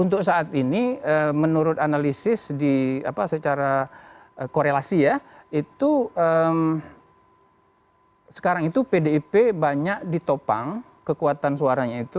untuk saat ini menurut analisis secara korelasi ya itu sekarang itu pdip banyak ditopang kekuatan suaranya itu